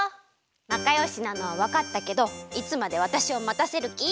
なかよしなのはわかったけどいつまでわたしをまたせるき？